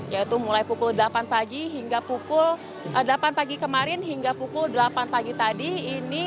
yaitu mulai pukul delapan pagi kemarin hingga pukul delapan pagi tadi